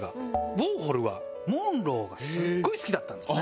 ウォーホルはモンローがすごい好きだったんですね。